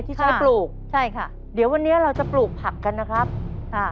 ที่ใช้ปลูกใช่ค่ะเดี๋ยววันนี้เราจะปลูกผักกันนะครับค่ะ